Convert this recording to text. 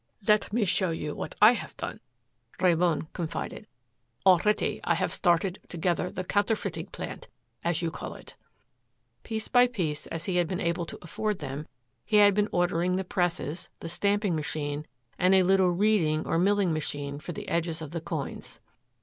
"Let me show you what I have done," Ramon confided. "Already, I have started together the 'counterfeiting plant,' as you call it." Piece by piece, as he had been able to afford them, he had been ordering the presses, the stamping machine, and a little "reeding" or milling machine for the edges of the coins.